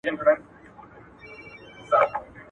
د ټولني وګړي به له کليشه يي فکرونو څخه خلاص سي.